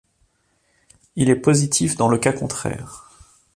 Il est positif dans le cas contraire.